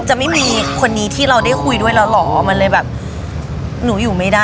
จะไม่มีคนที่ได้คุยด้วยแล้วเหรอ